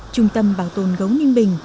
trung tâm bảo tồn gấu ninh bình